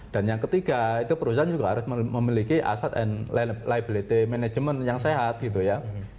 yang ketiga itu perusahaan juga harus memiliki aset and liability management yang sehat gitu ya